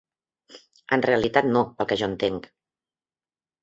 En realitat no, pel que jo entenc.